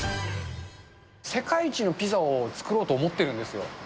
世界一のピザを作ろうと思ってるんですよ。